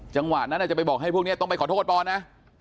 จังหวะนั้นอาจจะไปบอกให้พวกนี้ต้องไปขอโทษบอลนะ